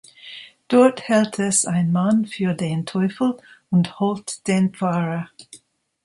Dort hält es ein Mann für den Teufel und holt den Pfarrer.